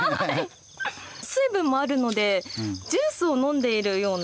水分もあるのでジュースを飲んでいるような。